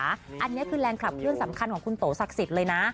อันนี้คือแรงขับเคลื่อนสำคัญของคุณโตศักดิ์สิทธิ์เลยนะ